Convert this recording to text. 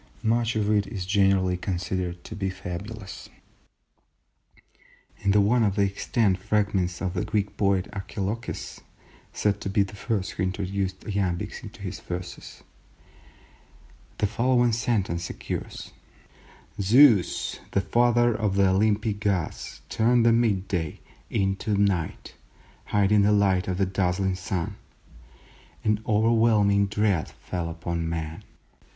Much of it is generally considered to be fabulous. In one of the extant fragments of the Greek poet Archilochus (said to be the first who introduced iambics into his verses), the following sentence occurs:—"Zeus the father of the Olympic Gods turned mid day into night hiding the light of the dazzling sun; an overwhelming dread fell upon men."